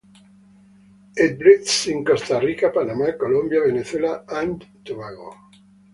It breeds in Costa Rica, Panama, Colombia, Venezuela and Tobago.